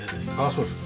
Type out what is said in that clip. そうですか。